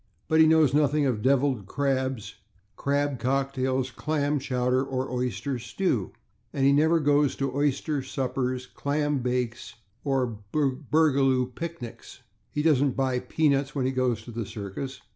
But he knows nothing of /devilled crabs/, /crab cocktails/, /clam chowder/ or /oyster stews/, and he never goes to /oyster suppers/, /clam bakes/ or /burgoo picnics/. He doesn't buy /peanuts/ when he goes to the circus.